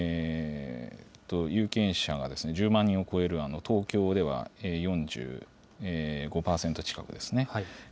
有権者が１０万人を超える東京では４５％近くですね。